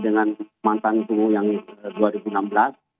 dengan mantan ku yang